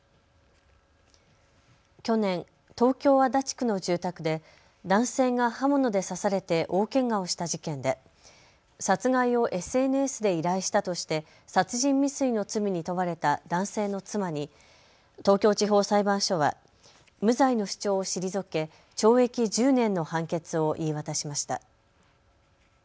去年、東京足立区の住宅で男性が刃物で刺されて大けがをした事件で殺害をＳＮＳで依頼したとして殺人未遂の罪に問われた男性の妻に東京地方裁判所は無罪の主張を退け懲役１０年の判決を言い渡しました。